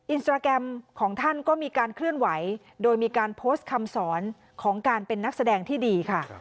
อินสตราแกรมของท่านก็มีการเคลื่อนไหวโดยมีการโพสต์คำสอนของการเป็นนักแสดงที่ดีค่ะ